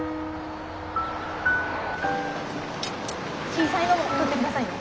小さいのも取ってくださいね。